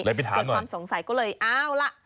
เลยไปถามหน่อยนะครับเก็บความสงสัยก็เลยเอาล่ะ